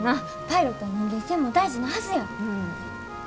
パイロットは人間性も大事なはずや。